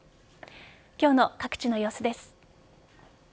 今日の各地の様子です。